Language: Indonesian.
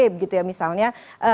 begitu ya misalnya